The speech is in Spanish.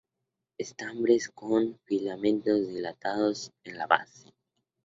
Estambres con filamentos dilatados en la base.